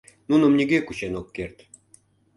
Нуным нигӧ кучен ок керт.